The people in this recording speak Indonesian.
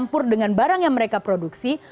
campur dengan barang yang mereka produksi